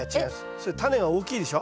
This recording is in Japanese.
それタネが大きいでしょ。